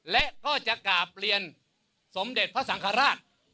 และก็จะกราบเรียนสมเด็จพระสังฆราช